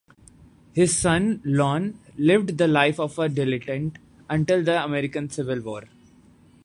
His son Ion lived the life of a dilettante until the American Civil War.